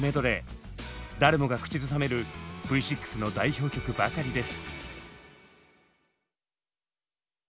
誰もが口ずさめるＶ６の代表曲ばかりです。